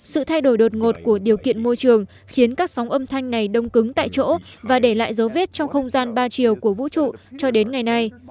sự thay đổi đột ngột của điều kiện môi trường khiến các sóng âm thanh này đông cứng tại chỗ và để lại dấu vết trong không gian ba chiều của vũ trụ cho đến ngày nay